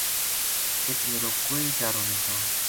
اِت میرو کوئی چارو نیہہ تھو